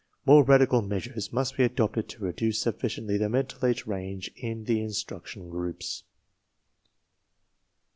More radical measures must be adopted to reduce sufficiently the mental age range in the instruction groups.